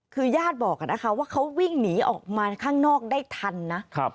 คือญาติบอกนะคะว่าเขาวิ่งหนีออกมาข้างนอกได้ทันนะ